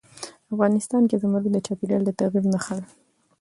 افغانستان کې زمرد د چاپېریال د تغیر نښه ده.